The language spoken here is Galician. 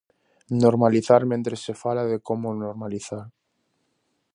Normalizar mentres se fala de como normalizar.